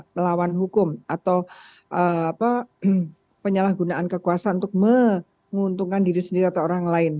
melawan hukum atau penyalahgunaan kekuasaan untuk menguntungkan diri sendiri atau orang lain